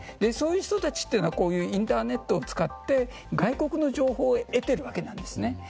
そういう人たちはインターネットを使って外国の情報を得ているわけですね。